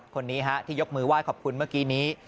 คนนี้ที่ยกมือไห้ขอบคุณเมื่อกี้นี้